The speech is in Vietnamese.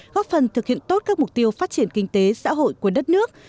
góp phần thực hiện tốt các mục tiêu phát triển kinh tế xã hội của đất nước